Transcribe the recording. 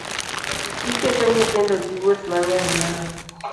Iketo nyithindo gi wuoth mang'eny nang'o?